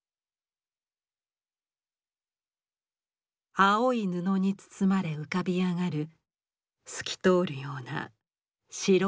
青い布に包まれ浮かび上がる透き通るような白い肌。